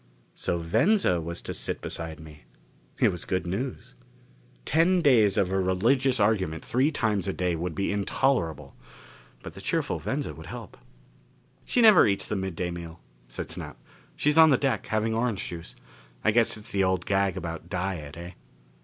So Venza was to sit beside me. It was good news. Ten days of a religious argument three times a day would be intolerable. But the cheerful Venza would help. "She never eats the midday meal," said Snap. "She's on the deck, having orange juice. I guess it's the old gag about diet, eh?"